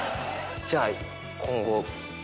「じゃあ今後」。